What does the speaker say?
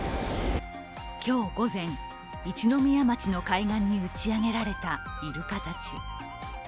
今日午前、一宮町の海岸に打ち上げられたイルカたち。